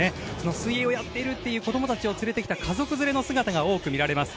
水泳をやっている子供たちを連れてきた家族連れの姿が多く見られます。